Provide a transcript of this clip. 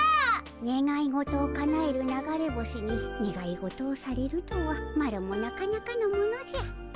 ねがい事をかなえる流れ星にねがい事をされるとはマロもなかなかのものじゃ。